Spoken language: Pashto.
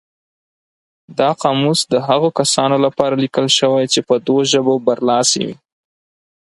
دا قاموس د هغو کسانو لپاره لیکل شوی چې په دوو ژبو برلاسي وي.